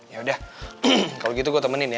yaudah kalau gitu gue temenin ya